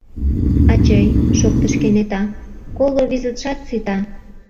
— Ачый, — шоктыш кенета, — коло визытшат сита.